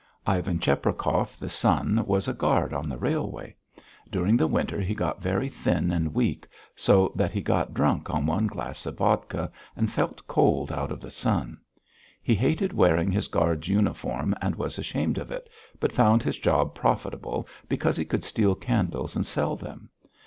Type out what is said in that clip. Ivan Cheprakov, the son, was a guard on the railway. During the winter he got very thin and weak, so that he got drunk on one glass of vodka, and felt cold out of the sun. He hated wearing his guard's uniform and was ashamed of it, but found his job profitable because he could steal candles and sell them.